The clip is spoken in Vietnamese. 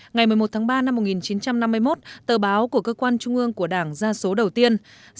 ngày một mươi một tháng ba năm một nghìn chín trăm năm mươi một tờ báo của cơ quan trung ương của đảng ra số đầu tiên